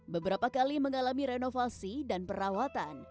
beberapa kali mengalami renovasi dan perawatan